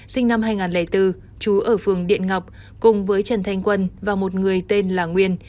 sinh năm hai nghìn bốn chú ở phường điện ngọc cùng với trần thanh quân và một người tên là nguyên